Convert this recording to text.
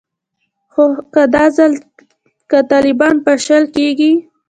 خو که دا ځل که طالبان پاشل کیږي